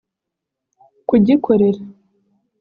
kugikorera